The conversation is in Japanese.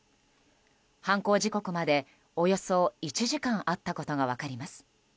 犯行時刻までおよそ１時間あったことが分かります。